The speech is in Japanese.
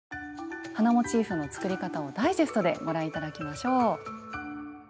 花モチーフの作り方をダイジェストでご覧頂きましょう！